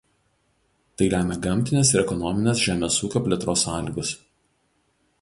Tai lemia gamtinės ir ekonominės žemės ūkio plėtros sąlygos.